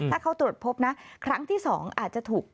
ถ้าตรวจพบครั้งที่สองอาจจะถูก